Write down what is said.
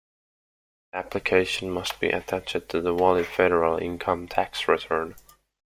The application must be attached to a valid federal income tax return.